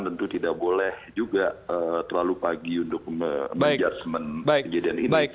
tentu tidak boleh juga terlalu pagi untuk menjudgement kejadian ini